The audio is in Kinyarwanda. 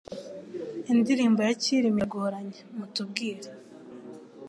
Indirimbo ya kirima iragoranye mutubwire